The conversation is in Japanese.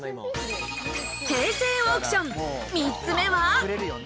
平成オークション３つ目は。